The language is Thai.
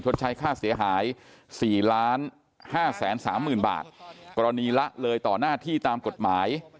ชดใช้ค่าเสียหายสี่ล้านห้าแสนสามหมื่นบาทกรณีละเลยต่อหน้าที่ตามกฎหมาย